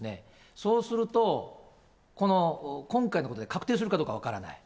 そうすると、この今回のことで確定するかどうか分からない。